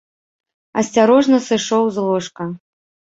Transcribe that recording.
Асцярожна сышоў з ложка.